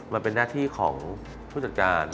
มันเป็นหน้าที่ของผู้จัดการ